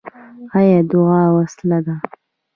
آیا دعا وسله ده؟